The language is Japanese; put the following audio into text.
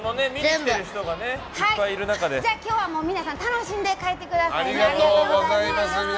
じゃあ今日は皆さん楽しんで帰ってくださいね。